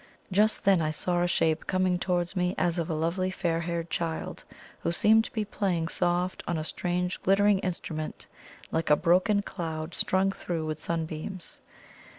Just then I saw a Shape coming towards me as of a lovely fair haired child, who seemed to be playing softly on a strange glittering instrument like a broken cloud strung through with sunbeams.